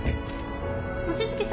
望月さん